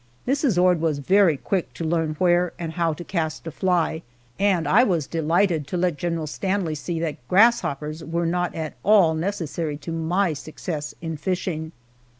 Mrs. Ord was very quick to learn where and how to cast a fly, and I was delighted to let General Stanley see that grasshoppers were not at all necessary to my success in fishing.